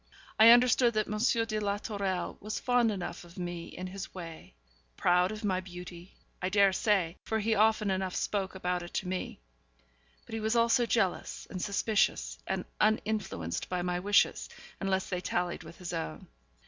I understood that M. de la Tourelle was fond enough of me in his way proud of my beauty, I dare say (for he often enough spoke about it to me) but he was also jealous, and suspicious, and uninfluenced by my wishes, unless they tallied with his own.